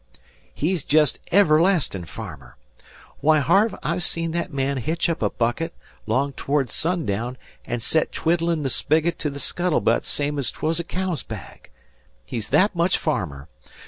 He's jest everlastin' farmer. Why, Harve, I've seen thet man hitch up a bucket, long towards sundown, an' set twiddlin' the spigot to the scuttle butt same's ef 'twas a cow's bag. He's thet much farmer.